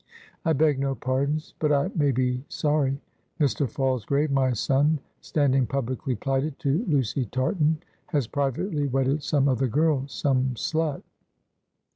"I beg no pardons; but I may be sorry. Mr. Falsgrave, my son, standing publicly plighted to Lucy Tartan, has privately wedded some other girl some slut!"